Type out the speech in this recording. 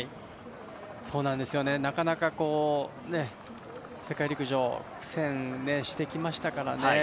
なかなか世界陸上苦戦してきましたからね。